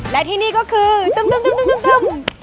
และที่นี่ก็คือตึ้ม